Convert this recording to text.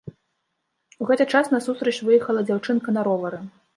У гэты час насустрач выехала дзяўчынка на ровары.